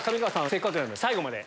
せっかくなんで最後まで。